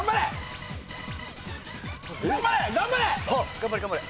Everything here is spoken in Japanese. ⁉頑張れ頑張れ。